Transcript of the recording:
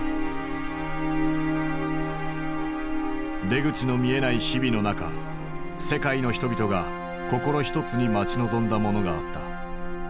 出口の見えない日々の中世界の人々が心ひとつに待ち望んだものがあった。